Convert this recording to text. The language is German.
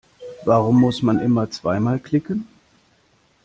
Warum muss man immer zweimal klicken?